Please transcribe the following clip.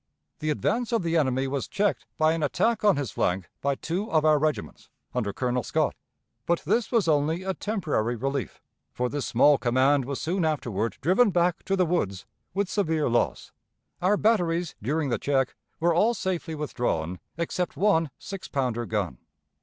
The advance of the enemy was checked by an attack on his flank by two of our regiments, under Colonel Scott; but this was only a temporary relief, for this small command was soon afterward driven back to the woods, with severe loss. Our batteries during the check were all safely withdrawn except one six pounder gun.